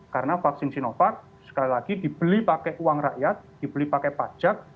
karena vaksin sinovac sekali lagi dibeli pakai uang rakyat dibeli pakai pajak